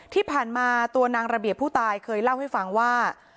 ที่ผ่านมาตัวนางระเบียบผู้ตายเคยเล่าให้ฟังว่า